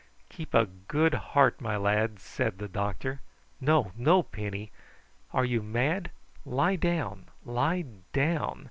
"Keep a good heart, my lads," said the doctor. "No, no, Penny! Are you mad? Lie down! lie down!